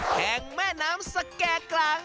แห่งแม่น้ำสแก่กลาง